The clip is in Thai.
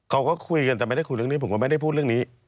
เขาก็คุยกันแต่ไม่ได้คุยเรื่องนี้ผมก็ไม่ได้พูดเรื่องนี้